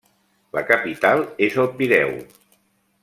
La capital és El Pireu.